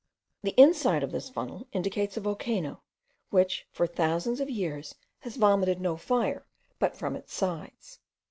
The inside of this funnel indicates a volcano, which for thousands of years has vomited no fire but from its sides.